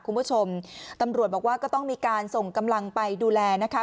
คุณผู้ชมตำรวจบอกว่าก็ต้องมีการส่งกำลังไปดูแลนะคะ